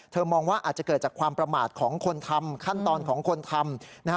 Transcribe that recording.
มองว่าอาจจะเกิดจากความประมาทของคนทำขั้นตอนของคนทำนะฮะ